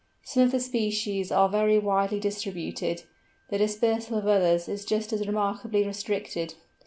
Some of the species are very widely distributed; the dispersal of others is just as remarkably restricted.